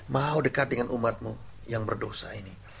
mau dekat dengan umatmu yang berdosa ini